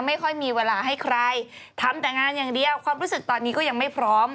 ไม่ค่อยมีเวลาให้ใครทำแต่งานอย่างเดียวความรู้สึกตอนนี้ก็ยังไม่พร้อม